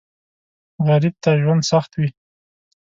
غریب ته ژوند سخت وي